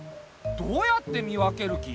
どうやって見分ける気？